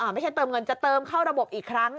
ไม่ใช่เติมเงินจะเติมเข้าระบบอีกครั้ง